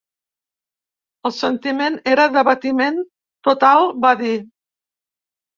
El sentiment era d’abatiment total, va dir.